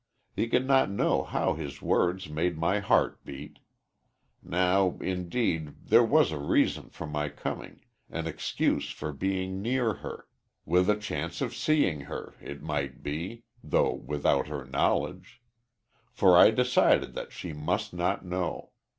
He could not know how his words made my heart beat. Now, indeed, there was a reason for my coming an excuse for being near her with a chance of seeing her, it might be, though without her knowledge. For I decided that she must not know.